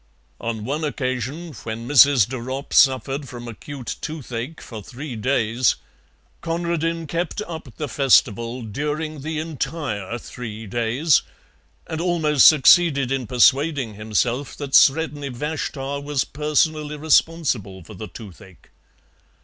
On one occasion, when Mrs. de Ropp suffered from acute toothache for three days, Conradin kept up the festival during the entire three days, and almost succeeded in persuading himself that Sredni Vashtar was personally responsible for the toothache.